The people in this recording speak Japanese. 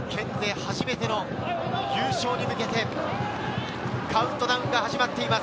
初めての優勝に向けて、カウントダウンが始まっています。